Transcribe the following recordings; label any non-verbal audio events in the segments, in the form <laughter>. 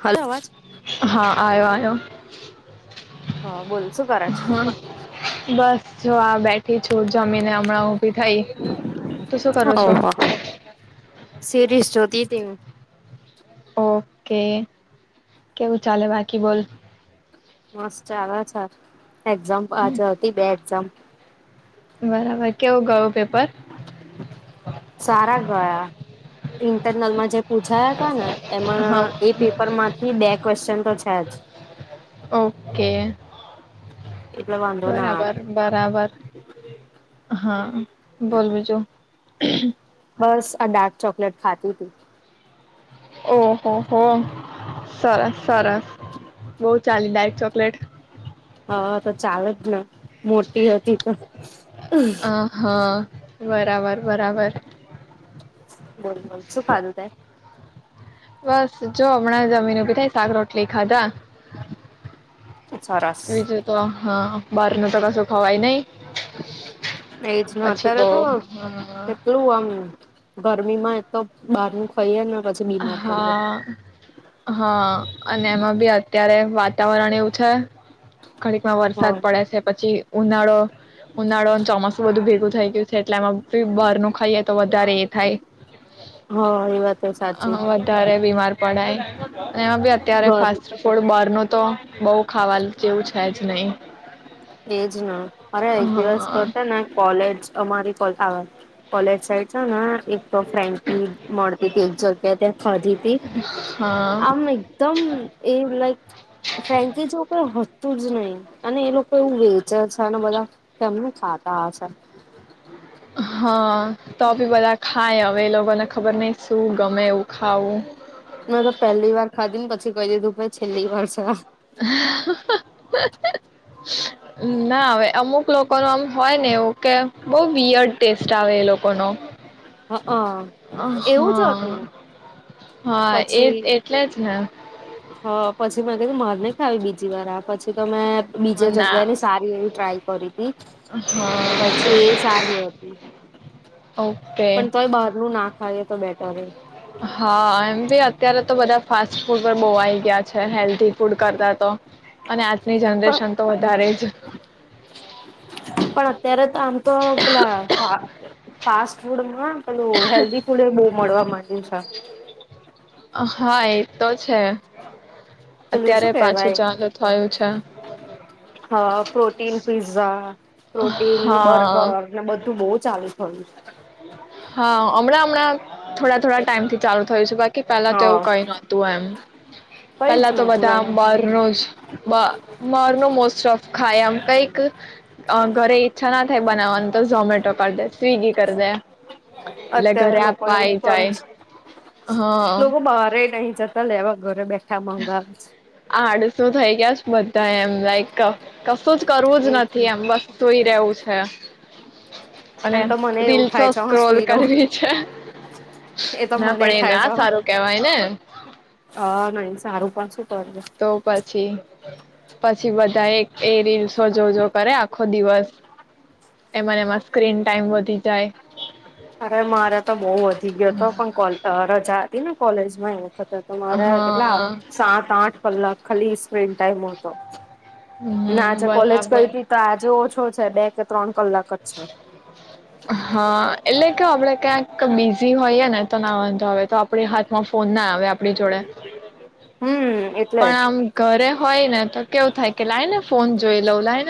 Hello અવાજ હા આયો આયો. હા બોલ શું કરે છે? હા બસ જો આ બેઠી છું જમીને હમણાં ઉભી થઈ. તો શું કરું છો? ઓહો તી તી હુ. ઓકે કેવું ચાલે બાકી બોલ? મસ ચાલા ચાલ. એક્ઝામ હમ, પાછડ હતી બે એક્ઝામ. બરાબર કેવું ગયું પેપર? સારા ગયા, ઇન્ટરનલમાં જે પૂછાયા તા ને હા એમાં એ પેપર માંથી બે ક્વેશ્ચન તો સાચ. ઓકે. એટલે વાંધો ના બરાબર આવે બરાબર. હા. બોલ બીજું? બસ આ ડાર્ક ચોકલેટ ખાતી તી. ઓહો હો સરસ સરસ બવ ચાલી દાયક ચોકલેટ. હા તો ચાલે જ ને. મોટી હતી તો. હા બરાબર બરાબર. બોલ બોલ શું ખાધુ તે? બસ જો હમણાં જમીન ઉભી થાય શાક રોટલી ખાધા. સરસ. બીજું તો હા બાર નુ તો કસુ. હવાય નઈ એજ ને પછી અત્યારે તો બવ હા. ગરમી માં એ તો બહાર નું ખાઈએને હા હા અને એમાં બી અત્યારે વાત વાતાવરણ એવું છે. ખડીક માં વરસાદ હા પડે છે પછી ઉનાળો ઉનાળો ચોમાસું બધું ભેગું થઈ ગયું છે એટલે એમાં બ બહાર નું ખાઈએ તો વધારે એ થાય. હા વાત. તો અ સાચી વધારે બીમાર પડાય એમાં બી અત્યારે ઘર ફાસ્ટ ફૂડ બાર નુ તો બવ ખાવાલ જેવું છે જ નહી. એજ ના મારે એક દિવસ પતે ના કોલેજ અમારી કોલ આ કોલેજ સાઈડ છે ને એક તો ફ્રેન્કી મળતી તી એક જગ્યાએ ત્યાં ખાધી હા તીમેં આમ એકદમ એ લાઈક ફ્રેન્કી જેવું કઈ હતુંજ નહી અને એ લોક તો એ વેચે છે અને બધા તેમને ખાતા હશે. હા તો બી બધા ખાય હવે એ લોગ મને ખબર નહીં શું ગમે એવું ખાવું. મેં તો પહેલી વાર ખાધી ને પછી કહી દીધું પ છેલ્લી વાર છે આ. ના હવે અમુક લોકો નો આમ હોય ને એવું કે બહુ વિયર્ડ ટેસ્ટ આવે એ લોકોનો હ અ એવું જ હતું હા. હા એ પછી એટલે જ ને તો મેં કીધું મારે નહીં ખાવી બીજી વાર આ પછી તો મેં બીજા જગ્યાની ના સારી એવી ટ્રાય કરી તી પછી એ સારી હતી. ઓકે પણ તોય બહારનું ના ખાઈએ તો બેટર હે. હા, એમ બી અત્યારે તો બધા ફાસ્ટ ફૂડ પર બો આઈ ગયા છે હેલ્ધી ફૂડ કરતા તો અને આ પણ હા પણ અત્યારે તો આમ તો પેલા ફા-ફાસ્ટ ફૂડમાં પેલું હેલ્થી ફૂડ બહુ મળવા આજ ની છે. હા એ તો છે. પેલું અત્યારે શું પાછું કેહેવાય ચાલુ થયું છે. ટીન પિઝ્ઝા. હા. પ્રોટીન હા બર્ગર ને બધું બહુ જ ચાલે છે. પડિયું છે. હા અમણાં અમણા થોડા-થોડા ટાઈમ થી ચાલુ થયું છું બાકી કે પહેલા તો હા એવું કઈ નતું એમ. કઈ જ પેલા તો નતું બધા આમ એને બહારનું બ બહારનું મોસ્ટ ઓફ ખાય એમ કઈક અ ઘરે ઈચ્છા ના થાય બનાવવાની તો ઝોમેટો કરી દે સ્વિગી કરી દે. એટલે અત્યારે ઘરે લોકો આપવા એવું જ આવી કરે જાય છે. હા લોકો બહાર નહી જતા લેવા ઘરે બેઠા મંગાવે આડસુ થઇ ગયા છે. બધા એમ લાઈક કશું જ છે. કરવું જ નથી એટલે એમ બસ સુઈ રહવું છે. અને એમ તો મને એવું થાય રીલ્સો છે હું સ્ક્રોલ સુઈ રહું કરવી છે એ તો ના મને પણ એ થાય ના છે સારું હ કેવાય ને. હા નહી સારું પણ શું. કરવું તો પછી. પછ પછી બધા એક એ રીલ્સો જો જો કરે આખો ખો દિવસ એમાં એમાં સ્ક્રીન ટાઈમ વધી જાય. અરે મારે તો બઉ વધી ગયો હતો પણ કોલ રજા ને કોલેજમાં એ મારા કેટલા હા સાત આઠ કલાક ખાલી સ્ક્રીન ટાઈમ હતો. ને હમ આજે કોલેજ બરાબર કરી તી તો આજે ઓછો છે બે તે ત્રણ કલાક જ છે હા એટલે કે આપડે ક્યાંક બીજ જે હોયએ ને તો ના વાંધો આવે તો આપણે હાથમાં ફોન ના આવે આપણી જોડે. હમ્મ. પણ આમ ઘરે હોય ને તો કેવું થાય કે લાઈ ને ફોન જોઈ લઉં લાઈન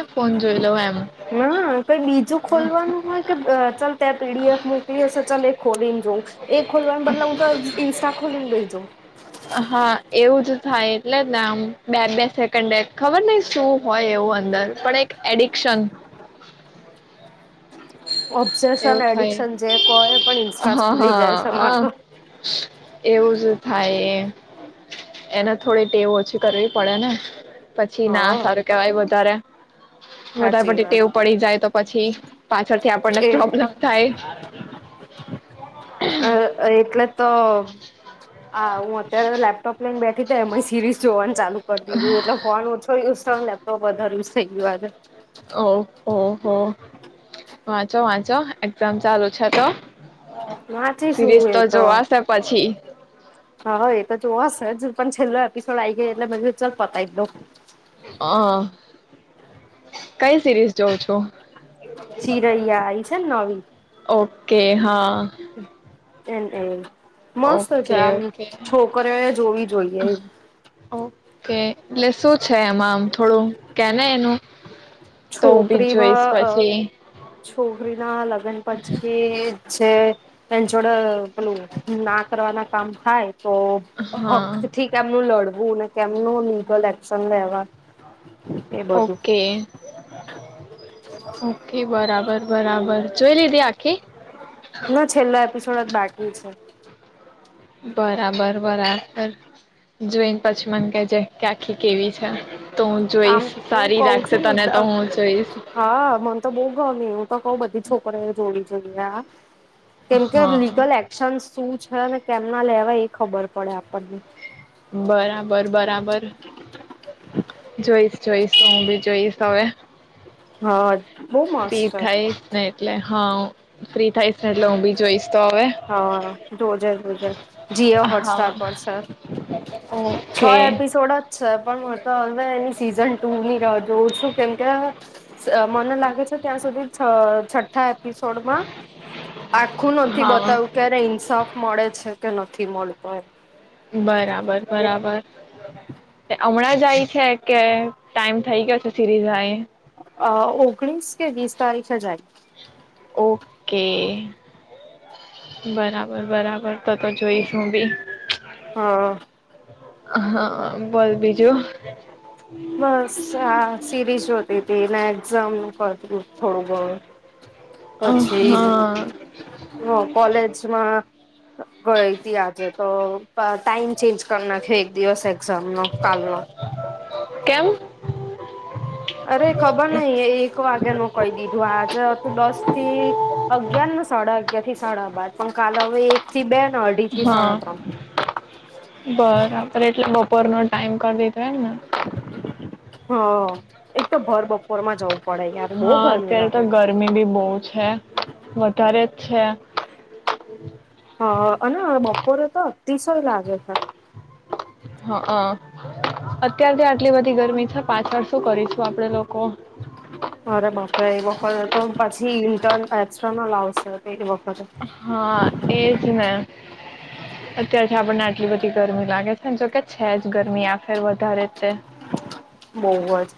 હા કઈ બીજું ખોલવાનું હોય કે ચાલ ત્યાં પી ડી એફ મોકલી હશે ચાલ એ ખોલીને એ ખોલવા બદલે હું તો ઇન્સ્ટા ખોલીન બેહી જઉ. હા એવું જ થાય એટલે જને આમ બે બે સેકન્ડ એ ખબર નઈ શું હોય એવું અંદર પણ એક એડિક્શન. ઓબ્જેક્શન એવું થાય એડિક્શન જે કો એ પણ ઇન્સ્ટા જ હા ખુલી જાય છે માર હા તો. એવું જ થાય એમ. એને થોડી ટેવ ઓછી કરવી પડે ને. પછી ના હા સારું કેવાય વધારે વધારે સાચી પડતી વાત ટેવું પડી જાય તો પછી પાછળથી આપણને એ પ્રોબ્લેમ થાય. અ એટલે તો આ હું અત્ યારે તો લેપટોપ લઈને બેઠી તો એમાંય સિરીઝ જોવાન ચાલુ કરી દીધું એટલે ફોન ઓછો યૂઝ તો લેપટોપ વધારે યુઝ થઈ ગયું આજે. ઓ ઓ હો વાંચો વાંચો એક્ઝામ ચાલુ છે તો. વાંચી શું સિરીઝ એ તો જોવાશે પછી હા એતો જોવાશે હજુ પણ <unintelligible> એપિસોડ આયી જાય એટલે ચાલ. પતાઈ દવ. હા, કઈ સિરીઝ જોઉં છું? ચિરૈયા એ છે ને નવી? કે હા. હમ્મ. એમ કે. મસ્ત છે ઓકે આમ. ઓકે છોકરીઓ એ જોવી જોઈએ. ઓકે એટલે શું છે એમાં આમ થોડું કેને એનું. તો હું બી જોઈશ છોકરીમાં પછી. છોકરી ના લગન પછી જે છે. એન જોડે પેલું ના કરવાના કામ થાય તો હા હકથી કેમનું લડવું વુંને કેમનું લીગલ એક્શન લેવાય ઓકે. ઓકે. બરાબર-બરાબર જોઈ લીધી આખી? ના છેલ્લો એપિસોડ જ બાકી છે. બરાબર-બરાબર જોઈન પછી મને કેજે કે આખી કેવી છે. તો હું આમ જોઈશ હું સારી કઉ રાખશે છું. તને તો હું જોઈશ હા મને તો બઉ ગઉ હું તો કઉ બધી છોકરીને જોડી ગોડિયા. કેમ કે હા લીગલ એક્શન શું છ છે ને કેમ ના લેવાય એ ખબર પડે આપણને. બરાબર બરાબર. જોઈશ જોઈશ હું ભી જોઈશ હવે. હા. બહુ ફ્રી મસ્ત છે થાય જ ને એટલે હા. ફ્રી થાયસ ને એટલે હું બી જોઈશ. તો હવે હા જોજે જોજે જીઓ હા હોટસ્ટાર પર છે. છ ઓકે એપિસોડ જ છે પણ હવ તો હવે એની સીઝન ટુ ની જોઉં છું કેમકે મને લાગે છે ત્યાં સુધી છઠ્ઠા એપિસોડમાં આખું થી હા બતાવું ક્યારે ઇન્સાફ મળે છે કે નથી થી મળતોય. બરાબર બરાબર હમણાં જ જાય છે કે ટાઈમ થઇ ગયો છે સીરીઝાય. અ ઓગણીસ કે વીસ તારીખે જાય. ઓકે બરાબર બરાબર. તો તો જોઈશું બી. હા હા બોલ બીજું. બસ હા સીરીજ જોતી તી ને એક્ઝામ. કરતી થોડું ગણું. પછી હા કોલેજમાં ગઈ તી આજે. તો ટાઈમ ચેન્જ કરી નાખ્યો એક દિવસ એક્ઝામ નો કાલનો. કેમ? અરે ખબર નઈ એક વાગ્યાનું કહી દીધું આજે હતું દસ થી અગિયારને સાડા અગયાર થી સાડા બાદ પણ કાલ હવે એક થી બે ને અઢી થી હા, સાડા ત્રણ બરા એટલે બપોર નો ટાઈમ કરી દીધો એમ ને. હા. બહુ હા ગરમી અત્યારે તો લાગે ગરમી બી બહુ છે. વધારે છે. હા અને બપોરે તો અતિશય લાગે છે. હા હા અત્યારથી આટલી બધી ગરમી છે પાછળ શું કરીશું આપડે લોકો? અરે બાપરે એ તો પછી ઇન્ટ એક્સટર્નલ આવશે તે વ હા એજ ને. અત્યારથી આપણને આટલી બધી ગરમી લાગે છે ને જોકે છે જ ગરમી આફેર વધારે તે. બવજ.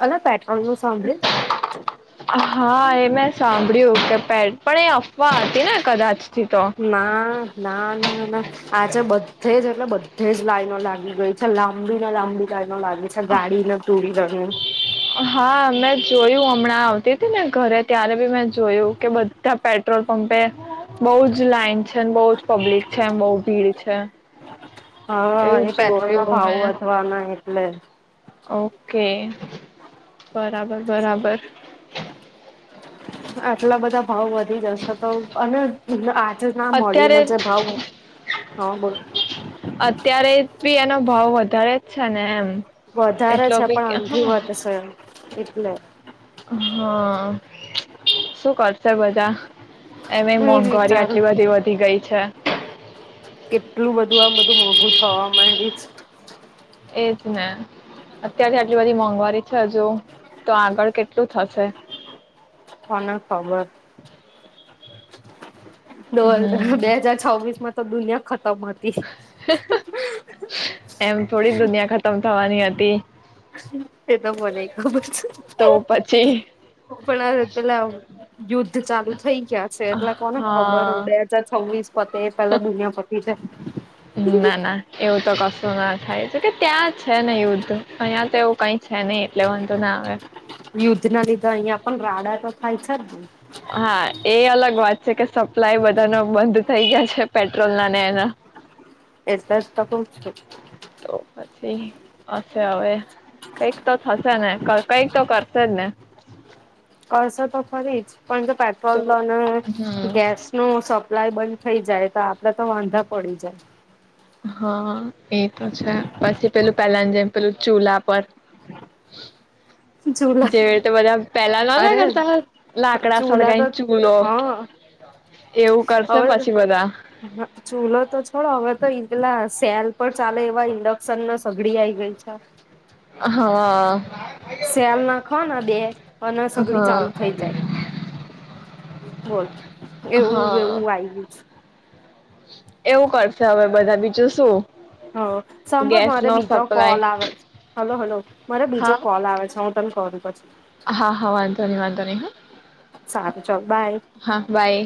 હા એ મેં સાંભળ્યું કે પે પણ એ અફવા હતી ને કદાચ. ના ના ના ના આજે બધે જ એટલે બ ધે જ લાઈનો લાગી ગઈ છે લાંબી ને લાંબી લાઇન. હા મેં જોયું હમણાં આવતી હતી મેને ઘરે ત્યારે બી મેં જોયું કે બધ ધા પેટ્રોલ પંપે બહુ જ લાઈન છેને બહુજ પબ્લિક છેમ બહુ ભીડ છે. હા એવું એ પેટ્રોલ ના જોયું ભાવ મેં વધવાના એટલે. ઓકે. પ રાબર બરાબર. આટલા બધા ભાઉ વધી જશે તો અને <unintelligible> હજુ ના મળ્યું અત્યારે ને જે ભાવ. હા બોલ. અત્યારે બી એનો ભાવ વધારે જ છે ને એમ. વધારે એટલો છે પણ બી અંધી હા વધશે. એટલે. હા, શું કરશે બધા? એમ એ મોંઘવારી વિચારું આટલી બધી વધી ગઈ અચ્છા. કેટલું બધું આ બધું મોઘું થવા માંડ્યું છ. એજ ને અત્યારથી આટલી બધી મોંઘવારી છે હજુ, તો આગળ કેટલું થશે? કોને ખબર. બે બે હમ હાજાર છવ્વીસમાં દુનિયા ખત એમ થોડી દુનિયા ખતમ થવાની હતી. એ તો મને ખબર છે. તો પછી પણ પેલા યુદ્ધ ચાલુ થઇ ગયા છે એટલે કોને ખબર હા બે હાજર છવ્વીસ પતે પેલા દુનિયા પતી જાય. ના ના. એવું તો કસ સુ ના થાય. એ છે કે ત્યાં છે ને યુદ્ધ અહિયાં તેવું કઈ છે નહી એટલે વાંધો ના આવે. હાલતા જ હોઈ. હા. એ અલગ વાત છે કે સપ્લાય બધાનો બંધ થઈ ગયા છે પેટ્રોલના ને એના <unintelligible> <unintelligible> હવે કઈક તો થશે ને કઈક તો કરશે જ ને. <inaudible> કરસે તો ખરી જ. પણ જો તો પેટ્રોલ અને હમ ગેસનું સ પ્લાઇ બંધ થઈ જાય તો, આપડે તો વાંધા પડી જાય. હા. એ તો છે, પછી પેલું પેલા ને જેમ પેલું ચૂલા પર ચૂલા જેવી રીતે બધા પેલા નતા અરે કરતા લાકડા ચૂલા તો સળગાઈને ચૂલો હા. એવું કરશે હવે પછી બધા ચૂલો તો છોડો હવે તો ઇંદડાસ. <unintelligible> પણ ચાલે એવા ઇન્ડક્શન સગડી આઈ ગઈ છે. હા. સેલ નાખોને બે અને સગડી ચાલુ હા થઈ જાય. બોલ. એવું હા એવું આઈ ગયું છે. એવું કરશે હવે, બધા બીજું શું. હ સાંભળ ગેસ મારે નો બીજો સપ્લાય કોલ આવે છે હલો, હલો, મારે બીજો હા કોલ આવે છે હું તને કરું પછી. હા. હા. વાંધો નહી વાંધો નહી હા. સારું ચાલ બાય હા. બાય.